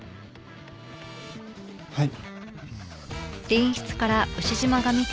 はい。